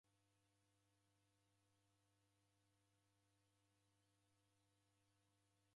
Ndew'ilipie kodi ya nyumba kwa miaka irandadu isirie.